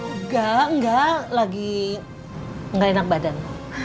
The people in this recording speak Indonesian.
enggak enggak lagi nggak enak badan